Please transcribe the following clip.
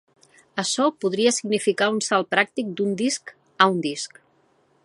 Açò podria significar un salt pràctic d'un disc a un disc.